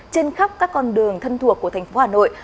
trên khắp các con đường thân thuộc của thành phố hà nội